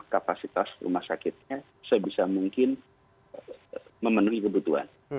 kapasitas rumah sakitnya sebisa mungkin memenuhi kebutuhan